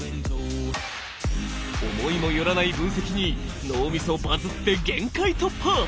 思いも寄らない分析に脳みそバズって限界突破！